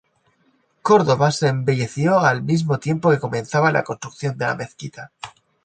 Córdoba se embelleció al mismo tiempo que comenzaba la construcción de la mezquita.